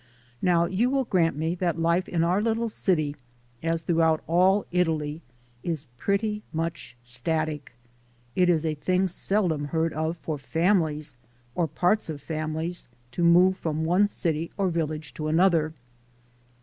Now you will grant me that life in our little city, as throughout all Italy, is pretty much static. It is a thing seldom heard of for families, or parts of families, to move from one city or village to another.